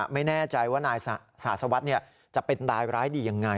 ไม่แน่ใจว่านายสาธารณ์สวัสดิ์จะเป็นร้ายร้ายดีอย่างไร